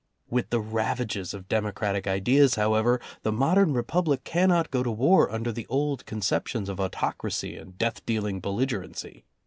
With the ravages of democratic ideas, however, the modern republic cannot go to war under the old concep tions of autocracy and death dealing belligerency.